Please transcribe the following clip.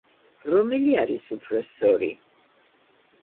რომელი არის უფრო სწორი?